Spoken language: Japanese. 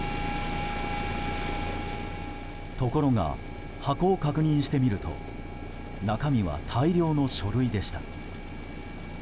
ところが、箱を確認してみると中身は大量の書類でした。